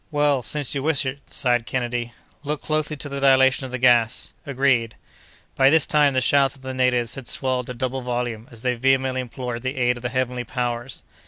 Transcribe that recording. "Well, since you wish it," sighed Kennedy. "Look closely to the dilation of the gas." "Agreed!" By this time the shouts of the natives had swelled to double volume as they vehemently implored the aid of the heavenly powers.